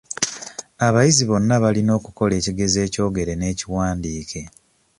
Abayizi bonna balina okukola ekigezo ekyogere n'ekiwandiike.